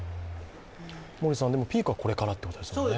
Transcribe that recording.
ピークはこれからということですよね。